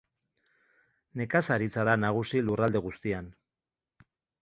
Nekazaritza da nagusi lurralde guztian.